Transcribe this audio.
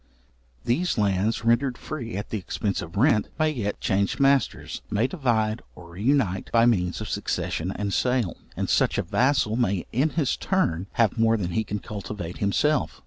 These lands, rendered free at the expence of rent, may yet change masters, may divide or reunite by means of succession and sale; and such a vassal may in his turn have more than he can cultivate himself.